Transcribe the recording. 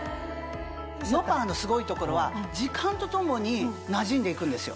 ｎｏｐａのすごいところは時間とともになじんでいくんですよ。